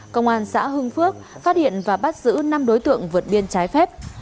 công an xã hưng phước phát hiện và bắt giữ năm đối tượng vượt biên trái phép